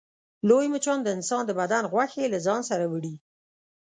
لوی مچان د انسان د بدن غوښې له ځان سره وړي